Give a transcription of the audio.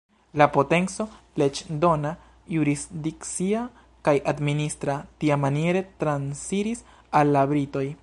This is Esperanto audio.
La potenco leĝdona, jurisdikcia kaj administra tiamaniere transiris al la britoj.